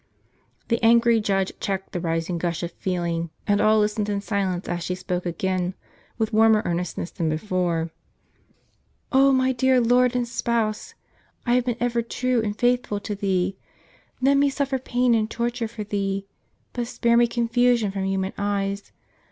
The angry judge checked the rising gush of feeling; and all listened in silence, as she spoke again, with warmer earnestness than before :" 0 my dear Lord and Spouse ! I have been ever true and faithful to Thee ! Let me suffer pain and torture for Thee ; but spare me confusion from human eyes.